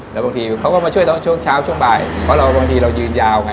แล้วบางทีเขาก็มาช่วยตอนช่วงเช้าช่วงบ่ายเพราะเราบางทีเรายืนยาวไง